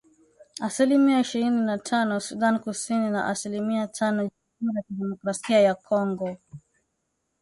asilimia ishirini na tano Sudan Kusini na asilimia tano Jamhuri ya Kidemokrasia ya Kongo